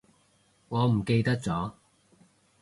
我唔記得咗